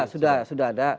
sudah sudah ada